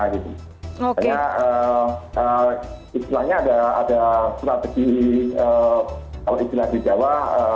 hanya istilahnya ada strategi kalau istilah di jawa